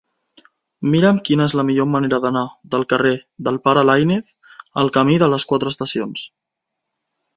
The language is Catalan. Mira'm quina és la millor manera d'anar del carrer del Pare Laínez al camí de les Quatre Estacions.